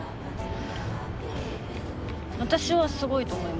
私はすごいと思います。